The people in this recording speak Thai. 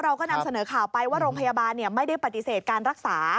เราก็นำเสนอข่าวไปว่าโรงพยาบาลไม่ได้ปฏิเสธการรักษา